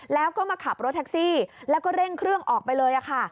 แล้วก็มาขับรถแท็กซี่แล้วก็เร่งเครื่องออกไปเลยค่ะ